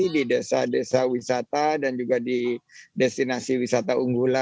di desa desa wisata dan juga di destinasi wisata unggulan